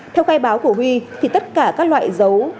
theo khai báo của huy thì tất cả các loại dấu